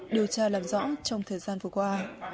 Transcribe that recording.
điều tra làm rõ trong thời gian vừa qua